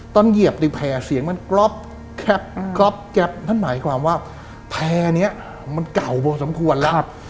เหยียบในแพร่เสียงมันกรอบแคบกรอบแก๊ปนั่นหมายความว่าแพร่นี้มันเก่าพอสมควรแล้ว